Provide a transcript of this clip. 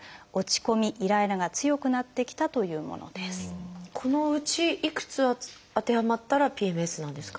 上からこのうちいくつ当てはまったらＰＭＳなんですか？